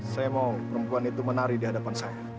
saya mau perempuan itu menari di hadapan saya